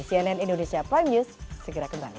cnn indonesia prime news segera kembali